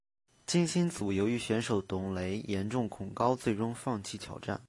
金星组由于选手董蕾严重恐高最终放弃挑战。